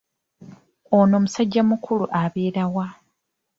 Ono musajjamukulu abeera wa?